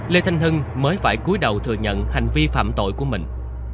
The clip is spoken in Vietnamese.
lê thanh hưng mới phải cuối đầu thừa nhận hành vi phạm tội của mình